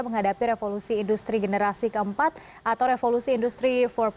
menghadapi revolusi industri generasi keempat atau revolusi industri empat